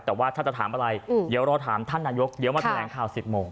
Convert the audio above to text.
เวลาจะถามอะไรเดี๋ยวเราจะถามท่านหน้ายกเตียงมาทางแรงข่าว๑๐โมง